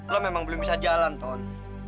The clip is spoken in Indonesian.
lo memang belum bisa jalan ton